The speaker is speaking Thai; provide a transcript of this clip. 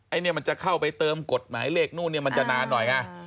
อันนี้มันจะเข้าไปเติมกฎหมายเลขนู่นเนี่ยมันจะนานหน่อยไง